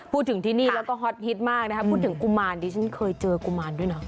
พูดถึงที่นี่แล้วก็ฮอตฮิตมากนะครับพูดถึงกุมารดิฉันเคยเจอกุมารด้วยนะ